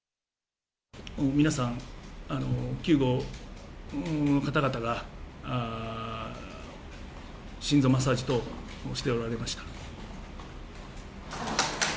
皆さん、救護の方々が、心臓マッサージ等しておられました。